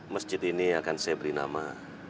masjid ini akan saya beri nama